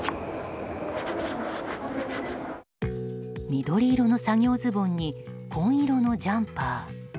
緑色の作業ズボンに紺色のジャンパー。